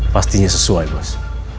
pastinya sesuai bos